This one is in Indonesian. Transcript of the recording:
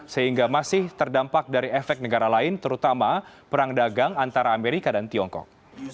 sehingga masih terdampak dari efek negara lain terutama perang dagang antara amerika dan tiongkok